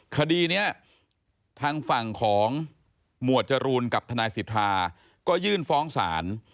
คดีนี้ทางฝั่งของหมวดจรูนกับทนายสิทธาก็ยื่นฟ้องศาล